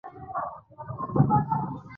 د پیغام ژبه ګونګۍ ده له رویباره لاري ورکي